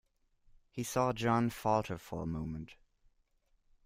He saw Jeanne falter for a moment.